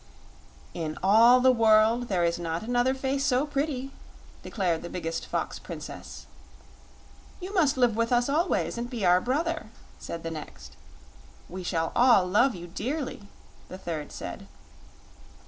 "In all the world there is not another face so pretty," declared the biggest fox princess. "You must live with us always, and be our brother," said the next. "We shall all love you dearly," the third said.